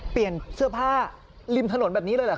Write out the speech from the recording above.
เปลี่ยนเสื้อผ้าริมถนนแบบนี้เลยเหรอค